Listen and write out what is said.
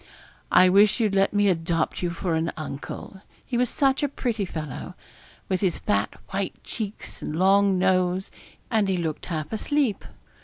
I wish you'd let me adopt you for an uncle. He was such a pretty fellow, with his fat white cheeks and long nose, and he looked half asleep.